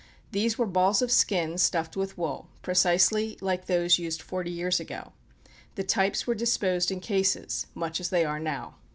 These were balls of skin stuffed with wool, precisely like those used forty years ago. The types were disposed in cases much as they are now.